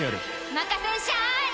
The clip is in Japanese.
任せんしゃい！